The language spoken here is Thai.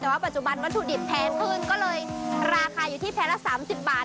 แต่ว่าปัจจุบันวัตถุดิบแพงขึ้นก็เลยราคาอยู่ที่แพงละ๓๐บาท